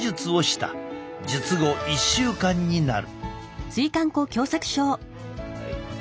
術後１週間になる。